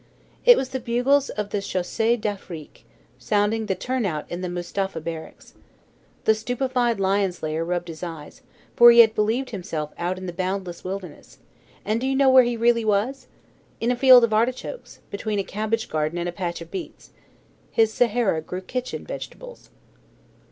It was the bugles of the Chasseurs d'Afrique sounding the turn out in the Mustapha barracks. The stupefied lion slayer rubbed his eyes, for he had believed himself out in the boundless wilderness; and do you know where he really was? in a field of artichokes, between a cabbage garden and a patch of beets. His Sahara grew kitchen vegetables.